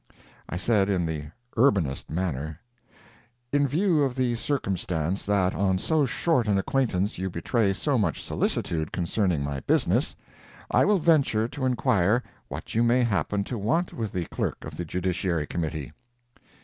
I said, in the urbanest manner: "In view of the circumstance that on so short an acquaintance you betray so much solicitude concerning my business, I will venture to inquire what you may happen to want with the clerk of the Judiciary Committee?"